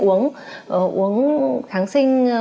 uống kháng sinh